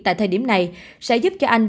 tại thời điểm này sẽ giúp cho anh